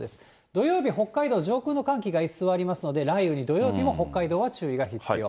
土曜日、北海道上空の寒気が居座りますので、雷雨に土曜日も北海道は注意が必要。